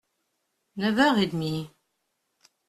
Neuf heures et demie…